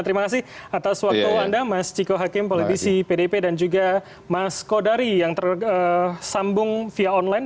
terima kasih atas waktu anda mas ciko hakim politisi pdp dan juga mas kodari yang tersambung via online